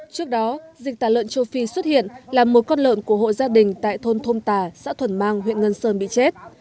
trước đó dịch tả lợn châu phi xuất hiện là một con lợn của hộ gia đình tại thôn thôm tà xã thuần mang huyện ngân sơn bị chết